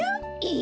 え！？